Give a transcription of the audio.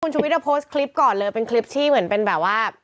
ชุวิตโพสต์คลิปก่อนเลยเป็นคลิปที่เหมือนเป็นแบบว่า